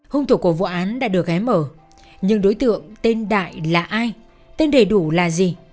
hung thủ của vụ án đã được ghé mở nhưng đối tượng tên đại là ai tên đầy đủ là gì